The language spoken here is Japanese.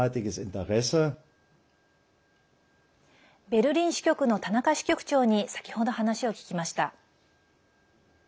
ベルリン支局の田中支局長に先ほど、話を聞きました。